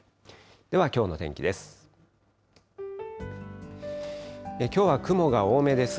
ではきょうの天気です。